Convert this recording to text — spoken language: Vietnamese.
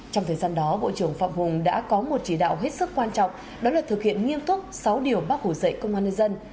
trong thời gian đó bộ trưởng phạm hùng đã có một chỉ đạo hết sức quan trọng đó là thực hiện nghiêm túc sáu điều bác hồ dạy công an nhân dân